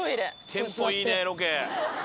テンポいいねロケ。